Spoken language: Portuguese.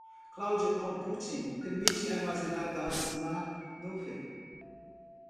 Cloud Computing permite armazenar dados na nuvem.